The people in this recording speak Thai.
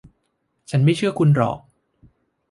ฉันไม่เชื่อคุณหรอก